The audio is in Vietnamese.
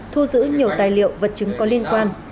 thu giữ nhiều tài liệu vật chứng có liên quan